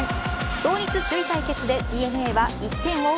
同率首位対決でＤｅＮＡは１点を追う